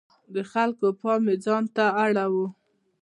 د خلکو پام یې ځانته اړاوه.